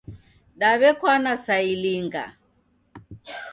Daw'ekwana sa ilinga?